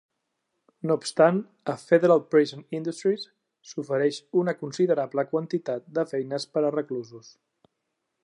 No obstant, a Federal Prison Industries s'ofereix una considerable quantitat de feines per a reclusos.